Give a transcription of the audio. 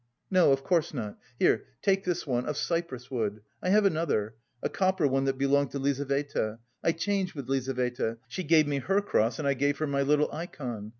"No, of course not. Here, take this one, of cypress wood. I have another, a copper one that belonged to Lizaveta. I changed with Lizaveta: she gave me her cross and I gave her my little ikon.